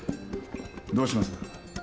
どうします？